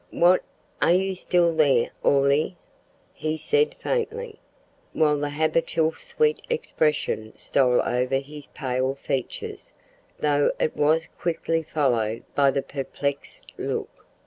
"What, are you still there, Orley?" he said faintly, while the habitual sweet expression stole over his pale features, though it was quickly followed by the perplexed look.